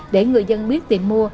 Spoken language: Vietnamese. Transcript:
để người dân biết tiền mua